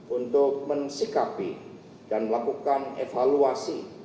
untuk mensikapi dan melakukan evaluasi